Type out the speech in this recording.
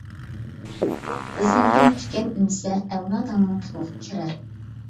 ئىزىڭدىن تىكەن ئۈنسە، ئەۋلادىڭنىڭ پۇتىغا كىرەر!